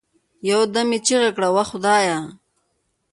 يو دم يې چيغه كړه وه خدايه!